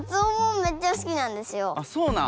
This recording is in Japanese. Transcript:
あそうなん。